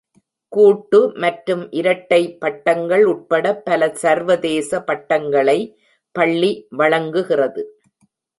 கூட்டு மற்றும் இரட்டை பட்டங்கள் உட்பட பல சர்வதேச பட்டங்களை பள்ளி வழங்குகிறது.